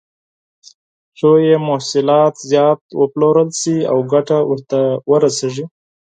څو یې محصولات زیات وپلورل شي او ګټه ورته ورسېږي.